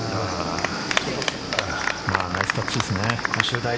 ナイスタッチですね。